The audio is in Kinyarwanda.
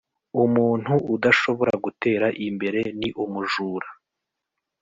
Umuntu udashobora gutera imbere ni umujura